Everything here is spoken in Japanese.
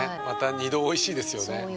また二度おいしいですよね